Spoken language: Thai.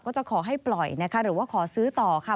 จะขอให้ปล่อยนะคะหรือว่าขอซื้อต่อค่ะ